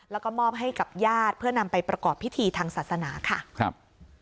แล้วก็มอบให้กับญาติเพื่อนำไปประกอบพิธีทางศาสนาค่ะครับ